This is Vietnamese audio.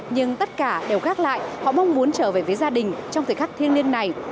nhưng tất cả đều khác lại họ mong muốn trở về với gia đình trong thời khắc thiên liên này